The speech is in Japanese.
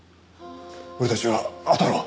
俺たちがあたろう。